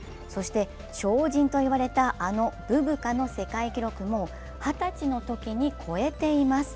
鳥人と言われた、あのブブカの世界記録も二十歳のときに超えています。